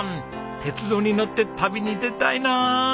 鉄道に乗って旅に出たいな。